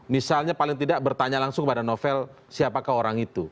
misalnya paling tidak bertanya langsung kepada novel siapakah orang itu